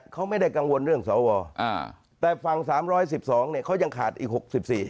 เขาไม่ได้กังวลเรื่องสวฟัง๓๑๒ยังขาดอีก๖๔